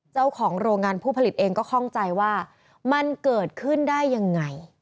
เจ้าของโรงงานผู้ผลิตเองก็คล่องใจว่ามันเกิดขึ้นได้ยังไง